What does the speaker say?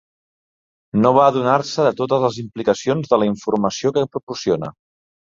No va adonar-se de totes les implicacions de la informació que proporciona.